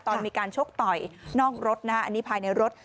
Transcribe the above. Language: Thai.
ตอนมีการชกต่อยนอกรถนะฮะอันนี้ภายในรถ